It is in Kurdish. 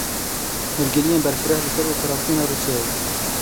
Hûrgiliyên berfireh li ser operasyona Rûsyayê.